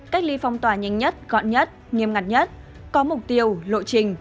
cách ly phòng tòa nhanh nhất gọn nhất nghiêm ngặt nhất có mục tiêu lộ trình